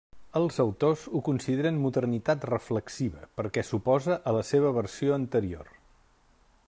Els autors ho consideren modernitat reflexiva perquè s'oposa a la seva versió anterior.